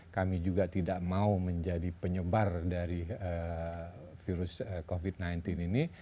kami juga tidak mau menjadi penyebar dari virus covid sembilan belas ini